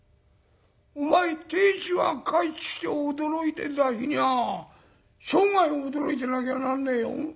お前亭主が帰ってきて驚いてた日にゃ生涯驚いてなきゃなんねえよ。